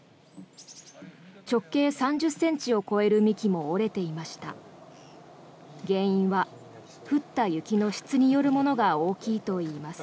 直径３０ｃｍを超える幹も折れていました。